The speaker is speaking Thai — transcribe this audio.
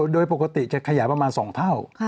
โดยปกติจะขยายประมาณ๒เท่า